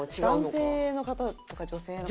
男性の方とか女性の方。